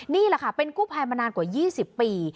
นี่แหละค่ะเป็นกู้ภัยมานานกว่า๒๐ปี